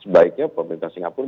sebaiknya pemerintah singapura